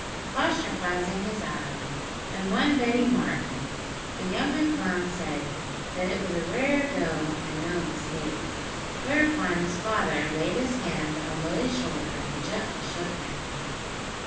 Apostrophising his eye and one Betty Martin, the younger clown said that it was a "rare go and no mistake," whereupon his father laid his hand on Willie's shoulder and gently shook him.